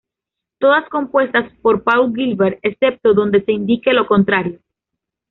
Todas compuestas por Paul Gilbert, excepto donde se indique lo contrario.